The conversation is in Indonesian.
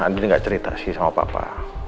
nanti gak cerita sih sama papa